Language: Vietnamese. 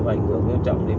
nó sẽ ảnh hưởng vô trọng đến